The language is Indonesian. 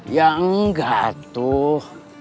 ya nggak tuh